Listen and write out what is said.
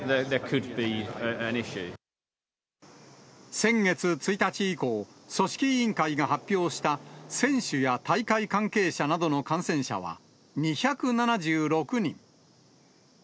先月１日以降、組織委員会が発表した選手や大会関係者などの感染者は２７６人。